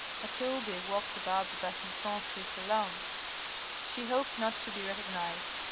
Mathilde walked about the Besancon streets alone : she hoped not to be recognised.